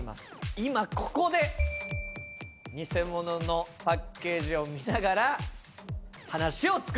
今ここで偽物のパッケージを見ながら話を作っていただくと。